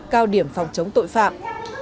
cao điểm phòng chống tội phạm